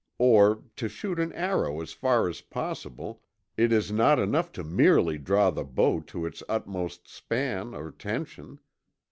Or, to shoot an arrow as far as possible, it is not enough to merely draw the bow to its utmost span or tension.